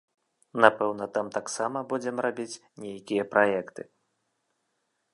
Напэўна, там таксама будзем рабіць нейкія праекты.